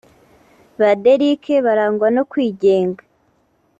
Ba Derrick barangwa no kwigenga